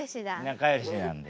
仲よしなんですよ。